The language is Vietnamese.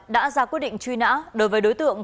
đã ra quyết định truy nã đối với đối tượng